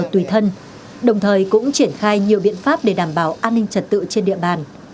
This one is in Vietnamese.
tùy thân đồng thời cũng triển khai nhiều biện pháp để đảm bảo an ninh trật tự trên địa bàn